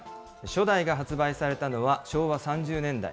初代が発売されたのは昭和３０年代。